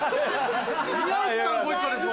宮内さんご一家です。